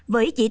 với chỉ tiêu